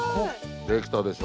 できたでしょ。